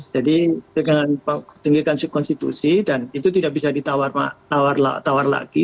jadi pegangan paling tinggi itu konstitusi dan itu tidak bisa ditawar lagi